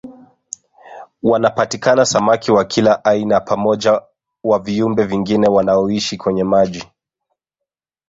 Wanapatikana samaki wa kila aina pamoja wa viumbe vingine wanaoishi kwenye maji